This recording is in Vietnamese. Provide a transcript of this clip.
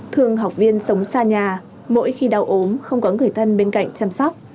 thường học viên sống xa nhà mỗi khi đau ốm không có người thân bên cạnh chăm sóc